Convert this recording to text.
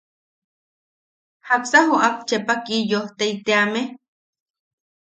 ¿Jaksa joʼak Chepa Kiyojtei teame?